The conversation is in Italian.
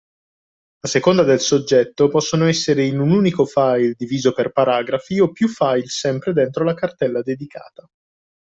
A seconda del soggetto possono essere in un unico file diviso per paragrafi o piu file sempre dentro la cartella dedicata.